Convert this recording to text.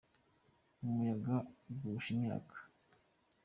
umuyaga ugusha imyaka